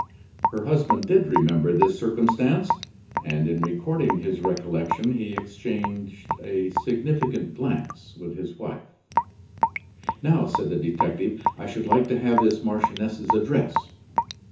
Her husband did remember this circumstance; and in recording his recollection, he exchanged a significant glance with his wife. "Now," said the detective, "I should like to have this marchioness's address."